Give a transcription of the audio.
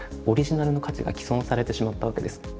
オリジナルの価値が毀損されてしまったわけです。